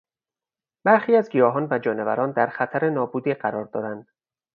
برخی از گیاهان و جانوران در خطر نابودی قرار دارند.